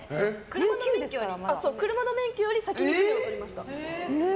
車の免許より先に船をとりました。